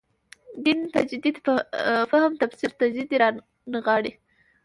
دین تجدید فهم تفسیر تجدید رانغاړي.